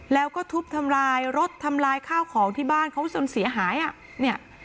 แล้วก็ทุบทำลายรถทำลายข้าวของที่บ้านเขาจนเสียหายอ่ะเนี่ย